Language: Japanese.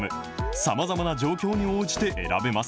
さまざまな状況に応じて選べます。